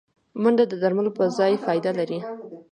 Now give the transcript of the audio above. منډه د درملو پر ځای فایده لري